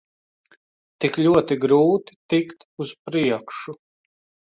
Tik ļoti grūti tikt uz priekšu.